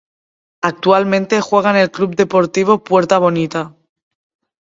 Actualmente juega en el Club Deportivo Puerta Bonita.